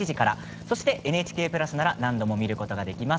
ＮＨＫプラスなら何度も見ることができます。